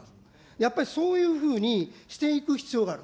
やっぱりそういうふうにしていく必要がある。